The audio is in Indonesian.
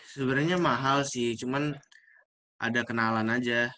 sebenarnya mahal sih cuman ada kenalan aja